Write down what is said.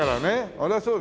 そりゃそうだよ。